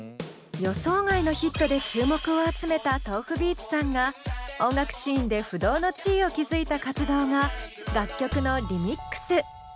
予想外のヒットで注目を集めたｔｏｆｕｂｅａｔｓさんが音楽シーンで不動の地位を築いた活動が楽曲のリミックス。